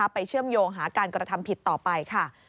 เชื่อมโยงหาการกระทำผิดต่อไปค่ะ